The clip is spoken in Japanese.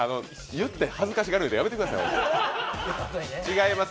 言って恥ずかしがるの、やめてください。